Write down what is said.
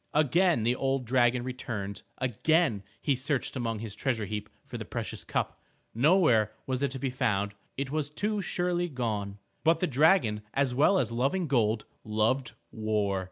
Again the old dragon returned, again he searched among his treasure heap for the precious cup. Nowhere was it to be found. It was too surely gone. But the dragon, as well as loving gold, loved war.